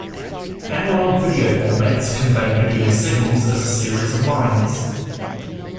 Analog video formats convey video signals as a series of "lines".